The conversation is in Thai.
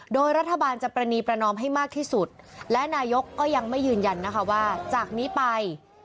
โดยรัฐบาลจะปรณีประนอมให้มากที่สุดและนายกก็ยังไม่ยืนยันนะคะว่าจากนี้ไป